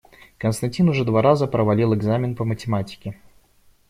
Константин уже два раза провалил экзамен по математике.